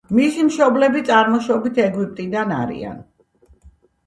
მისი მშობლები წარმოშობით ეგვიპტიდან არიან.